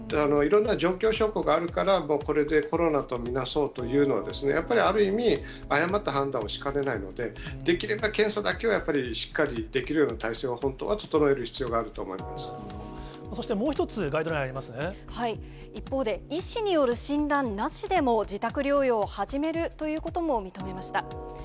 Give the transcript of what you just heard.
いろいろな状況証拠があるから、もうこれでコロナと見なそうというのは、やっぱり、ある意味、誤った判断をしかねないので、できれば、検査だけは、やっぱりしっかりできるような体制は本当は整える必要があると思そして、もう一つ、ガイドラ一方で、医師による診断なしでも自宅療養を始めるということも認めました。